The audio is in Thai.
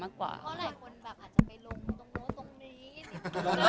บางทีเค้าแค่อยากดึงเค้าต้องการอะไรจับเราไหล่ลูกหรือยังไง